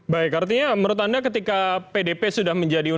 baik artinya menurut anda ketika pdp sudah menjadi umum